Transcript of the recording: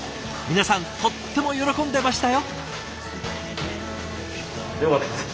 皆さんとっても喜んでましたよ。